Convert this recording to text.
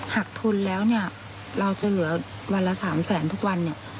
หักทุนแล้วเนี่ยเราจะเหลือวันละ๓แสนทุกวันเนี่ย